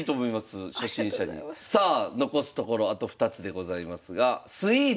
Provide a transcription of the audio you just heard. さあ残すところあと２つでございますが「スイーツ」。